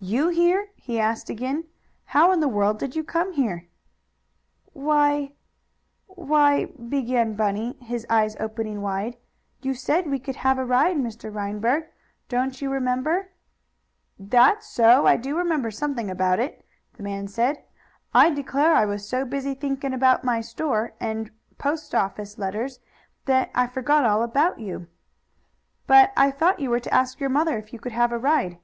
"You here?" he asked again. "How in the world did you come here?" "Why why," began Bunny, his eyes opening wide. "You said we could have a ride, Mr. Reinberg. Don't you remember?" "That's so. I do remember something about it," the man said. "I declare, I was so busy thinking about my store, and some post office letters, that I forgot all about you. But I thought you were to ask your mother if you could have a ride."